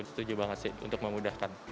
setuju banget sih untuk memudahkan